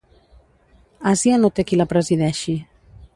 Àsia no té qui la presideixi.